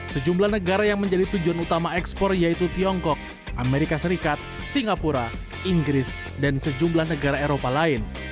sejumlah negara yang menjadi tujuan utama ekspor yaitu tiongkok amerika serikat singapura inggris dan sejumlah negara eropa lain